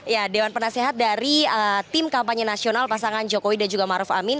ya dewan penasehat dari tim kampanye nasional pasangan jokowi dan juga maruf amin